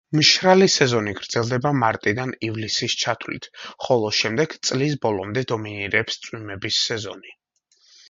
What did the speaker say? მშრალი სეზონი გრძელდება მარტიდან ივლისის ჩათვლით, ხოლო შემდეგ, წლის ბოლომდე დომინირებს წვიმების სეზონი.